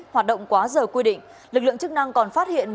hoạt động quá giờ quy định lực lượng chức năng còn phát hiện